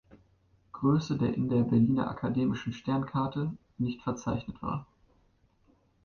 Größe, der in der "Berliner Akademischen Sternkarte" nicht verzeichnet war.